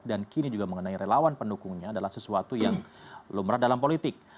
dan kini juga mengenai relawan pendukungnya adalah sesuatu yang lumrah dalam politik